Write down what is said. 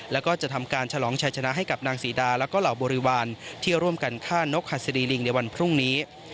แล้วก็จะทำการฉลองชัยชนะให้กับนางศรีดาแล้วก็เหล่าบริวารที่ร่วมกันฆ่านกหัสดีลิงในวันพรุ่งนี้